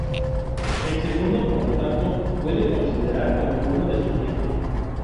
El segundo, por lo tanto, puede considerar como uno de sus nietos.